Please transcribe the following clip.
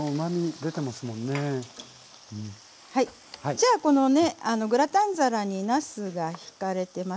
じゃあこのねグラタン皿になすがひかれてます。